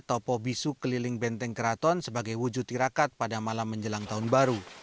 topo bisu keliling benteng keraton sebagai wujud tirakat pada malam menjelang tahun baru